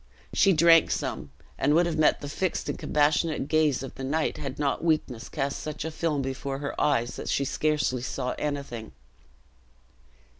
She drank some, and would have met the fixed and compassionate gaze of the knight, had not weakness cast such a film before her eyes that she scarcely saw anything.